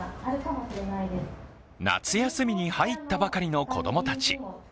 夏休みに入ったばかりの子供たち。